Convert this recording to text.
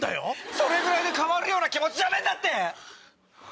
それぐらいで変わるような気持ちじゃねえんだって！